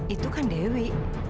itu kan dewi